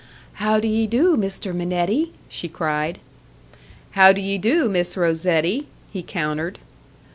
"How do ye do, Mr. Minetti?" she cried. "How do ye do, Miss Rosetti?" he countered.